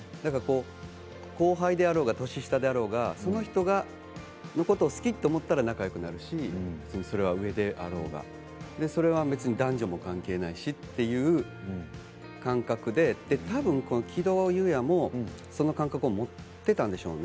後輩であろうが年下であろうがその人のことを好きと思ったら仲よくなるしそれは上であろうがそれは男女も関係ないしという感覚で多分、木戸邑弥もその感覚を持っていたんでしょうね。